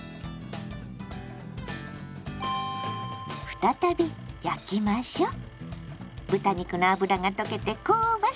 再び焼きましょう。